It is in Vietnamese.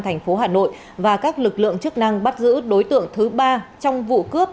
tp hà nội và các lực lượng chức năng bắt giữ đối tượng thứ ba trong vụ cướp